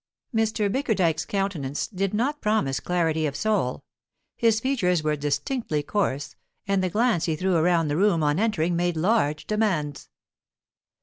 Mr. Bickerdike's countenance did not promise clarity of soul; his features were distinctly coarse, and the glance he threw round the room on entering made large demands.